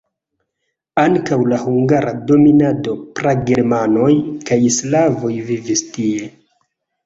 Antaŭ la hungara dominado pragermanoj kaj slavoj vivis tie.